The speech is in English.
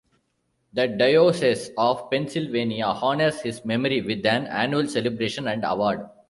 The Diocese of Pennsylvania honors his memory with an annual celebration and award.